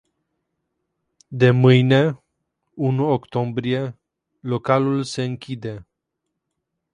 De mâine, unu octombrie, localul se închide.